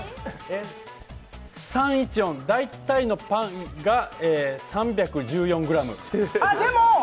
３１４、大体のパイが３１４ｇ？